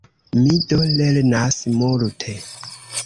Mi do lernas multe.